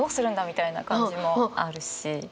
みたいな感じもあるし。